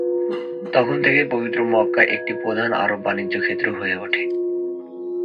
তখন থেকে পবিত্র মক্কা একটি প্রধান আরব বাণিজ্য কেন্দ্র হয়ে ওঠে।